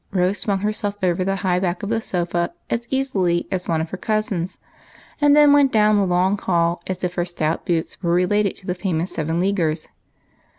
Rose swung herself over the high back of the sofa as easily as one of her cousins, and then went down the long hall as if her stout boots were related to the famous seven leaguers.